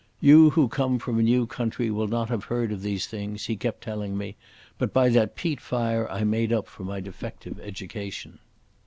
"You who come from a new country will not haf heard of these things," he kept telling me, but by that peat fire I made up for my defective education.